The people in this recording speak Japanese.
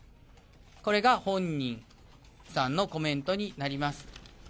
これが本人さんのコメントになります。